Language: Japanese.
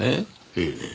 ええ。